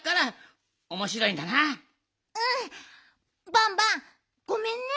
バンバンごめんね。